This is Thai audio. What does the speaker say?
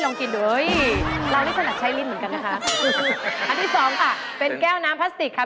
ลองกินดูราวิศนาสไชลินเหมือนกันนะคะ